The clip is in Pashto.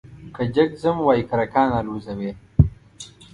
که جگ ځم وايي کرکان الوزوې ،